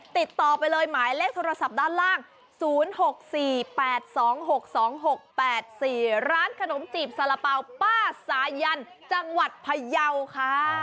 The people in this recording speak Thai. ติดต่อไปเลยหมายเลขโทรศัพท์ด้านล่าง๐๖๔๘๒๖๒๖๘๔ร้านขนมจีบสารเป๋าป้าสายันจังหวัดพยาวค่ะ